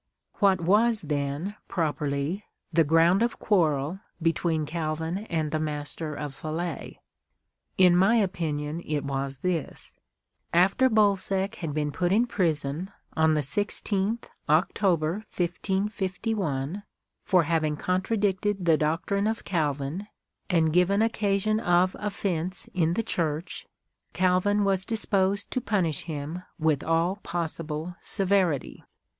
What was then, properl}' , the ground of quarrel between Calvin and the Master of Falais ? In my opinion it was this : After Bolsec had been put in prison, on the 16tli October 1551, for having contra dicted the doctrine of Calvin, and given occasion of offence in the Church, Calvin was disposed to punish him with all possible severity.